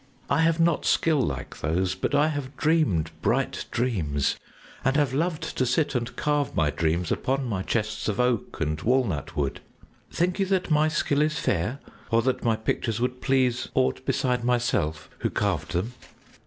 I have not skill like those, but I have dreamed bright dreams and have loved to sit and carve my dreams upon my chests of oak and walnut wood. Think you that my skill is fair or that my pictures would please aught beside myself, who carved them?"